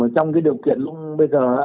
trong cái điều kiện lúc bây giờ